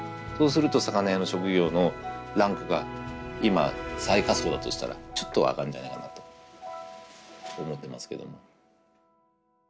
そうすると魚屋の職業のランクが今最下層だとしたらちょっとは上がるんじゃないかなと思ってますけども。